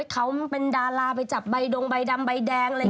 เขาเป็นดาราไปจับใบดำใบดัง